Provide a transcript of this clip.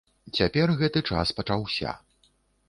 Цяпер гэты час пачаўся.